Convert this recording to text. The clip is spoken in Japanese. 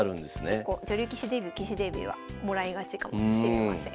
結構女流棋士デビュー棋士デビューはもらいがちかもしれません。